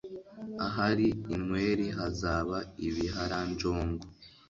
ahari inweri hazaba ibiharanjongo